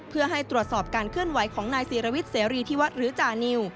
เพื่อให้ตรวจสอบการเคลื่อนไหวของนายศิรวิทย์เสรีที่วัดหรือจานิว